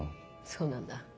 そうなんだ。